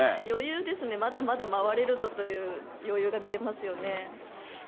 余裕ですね、まだまだ回れるぞという余裕が見えますよね。